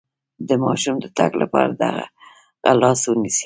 د ماشوم د تګ لپاره د هغه لاس ونیسئ